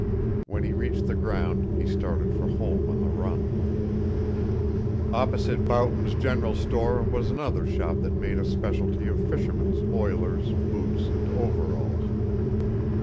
When he reached the ground he started for home on the run. Opposite Boughton's general store was another shop that made a specialty of fishermen's "oilers," boots, and overalls.